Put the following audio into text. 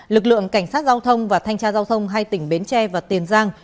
lực lượng cảnh sát giao thông và thanh tra giao thông hai tỉnh bến tre và tiền giang